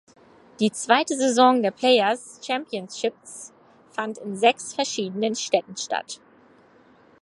Die zweite Saison der Players Championships fand in sechs verschiedenen Städten statt.